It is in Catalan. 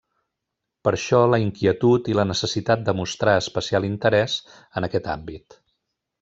Per això la inquietud i la necessitat de mostrar especial interès en aquest àmbit.